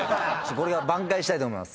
これから挽回したいと思います。